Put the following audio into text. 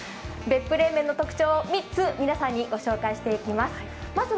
別府冷麺の特徴、３つ皆さんにご紹介していきます。